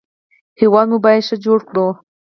هېواد مو باید ښه جوړ کړو